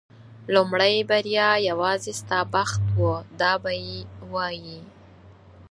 لومړۍ بریا یوازې ستا بخت و دا به یې وایي.